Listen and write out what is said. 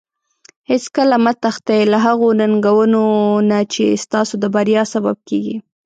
هیڅکله مه تښتي له هغو ننګونو نه چې ستاسو د بریا سبب کیږي.